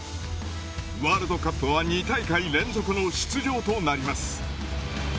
ワールドカップは２大会連続の出場となります。